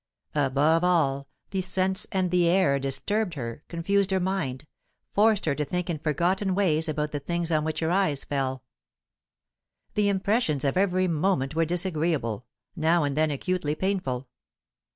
Above all, the scents in the air disturbed her, confused her mind, forced her to think in forgotten ways about the things on which her eyes fell. The impressions of every moment were disagreeable, now and then acutely painful.